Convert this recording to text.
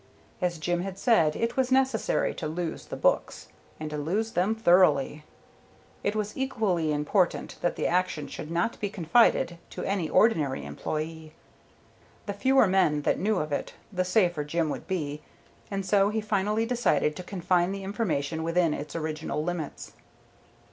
As Jim had said, it was necessary to lose the books, and to lose them thoroughly. It was equally important that the action should not be confided to any ordinary employee. The fewer men that knew of it, the safer Jim would be, and so he finally decided to confine the information within its original limits.